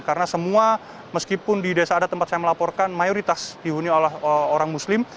karena semua meskipun di desa adat tempat saya melaporkan mayoritas dihuni oleh orang muslim